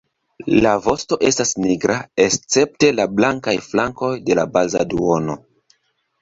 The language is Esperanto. La vosto estas nigra escepte la blankaj flankoj de la baza duono.